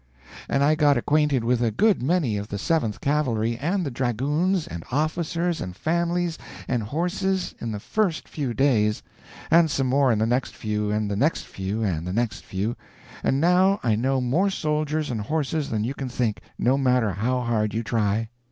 And I got acquainted with a good many of the Seventh Cavalry, and the dragoons, and officers, and families, and horses, in the first few days, and some more in the next few and the next few and the next few, and now I know more soldiers and horses than you can think, no matter how hard you try.